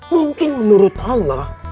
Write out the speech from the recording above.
mungkin menurut allah